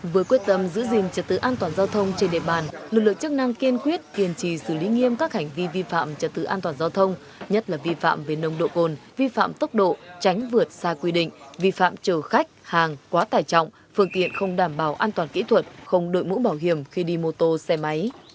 với quyết tâm giữ gìn trật tự an toàn giao thông trên địa bàn lực lượng chức năng kiên quyết kiên trì xử lý nghiêm các hành vi vi phạm trật tự an toàn giao thông nhất là vi phạm về nồng độ cồn vi phạm tốc độ tránh vượt xa quy định vi phạm chở khách hàng quá tải trọng phương tiện không đảm bảo an toàn kỹ thuật không đội mũ bảo hiểm khi đi mô tô xe máy